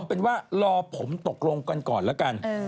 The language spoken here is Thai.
เป็นว่ารอผมตกลงกันก่อนแล้วกัน